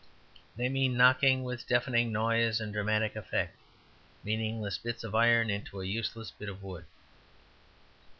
They mean knocking, with deafening noise and dramatic effect, meaningless bits of iron into a useless bit of wood.